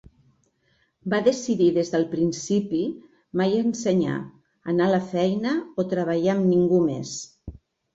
Va decidir des del principi mai ensenyar, anar a la feina o treballar amb ningú més.